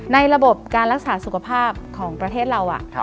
ระบบการรักษาสุขภาพของประเทศเรา